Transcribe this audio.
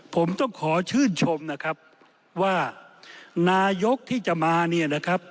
ผมต้องขอชื่นชมนะครับว่านายกที่จะมาเนี่ยนะครับ